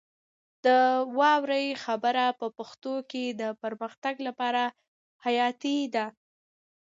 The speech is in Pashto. د واورئ برخه په پښتو ژبه کې د پرمختګ لپاره حیاتي ده.